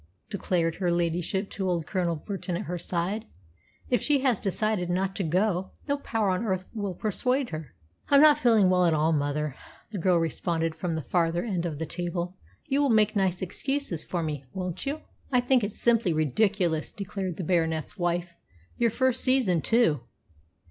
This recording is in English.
declared her ladyship to old Colonel Burton at her side. "If she has decided not to go, no power on earth will persuade her." "I'm not feeling at all well, mother," the girl responded from the farther end of the table. "You'll make nice excuses for me, won't you?" "I think it's simply ridiculous!" declared the Baronet's wife. "Your first season, too!"